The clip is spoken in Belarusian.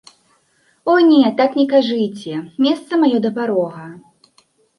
О не, так не кажыце, месца маё да парога.